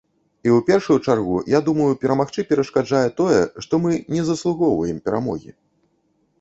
І ў першую чаргу, я думаю, перамагчы перашкаджае тое, што мы не заслугоўваем перамогі.